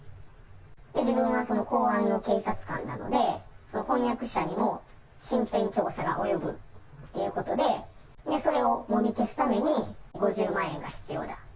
自分は公安の警察官なので、婚約者にも身辺調査が及ぶということで、それをもみ消すために５０万円が必要だ。